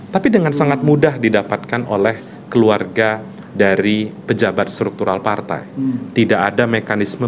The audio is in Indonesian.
tapi dengan sangat mudah didapatkan oleh keluarga dari pejabat struktural partai tidak ada mekanisme